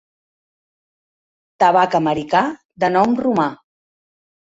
Tabac americà de nom romà.